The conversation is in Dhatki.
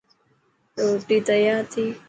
روتي تيار ٿي.